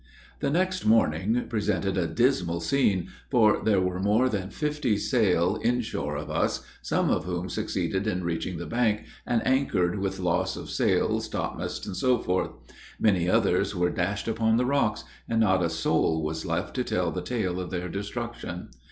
The next morning presented a dismal scene, for there were more than fifty sail in shore of us, some of whom succeeded in reaching the bank, and anchored with loss of sails, topmasts, &c. Many others were dashed upon the rocks, and not a soul was left to tell the tale of their destruction.